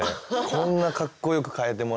こんなかっこよく変えてもらえるのは。